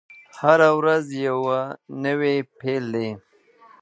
هره ورځ یوه نوې پیل دی.